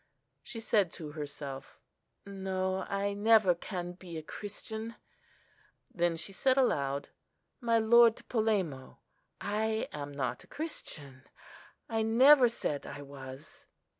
She said to herself, "No, I never can be a Christian." Then she said aloud, "My Lord Polemo, I am not a Christian;—I never said I was."